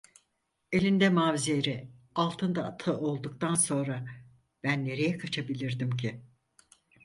Elinde mavzeri, altında atı olduktan sonra ben nereye kaçabilirdim ki?